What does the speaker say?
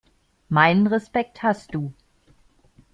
Meinen Respekt hast du.